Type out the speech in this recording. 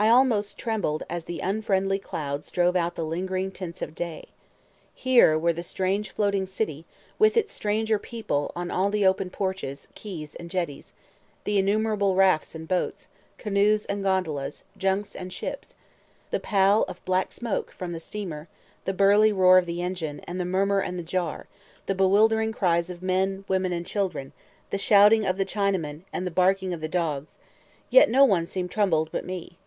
I almost trembled, as the unfriendly clouds drove out the lingering tints of day. Here were the strange floating city, with its stranger people on all the open porches, quays, and jetties; the innumerable rafts and boats, canoes and gondolas, junks, and ships; the pall of black smoke from the steamer, the burly roar of the engine, and the murmur and the jar; the bewildering cries of men, women, and children, the shouting of the Chinamen, and the barking of the dogs, yet no one seemed troubled but me.